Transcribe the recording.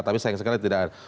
tapi sayang sekali tidak ada